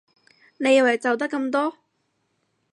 你以為就得咁多？